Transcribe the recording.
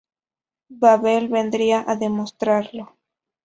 Babel vendría a demostrarlo.